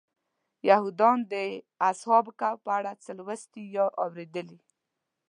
یهودیان د اصحاب کهف په اړه څه لوستي یا اورېدلي.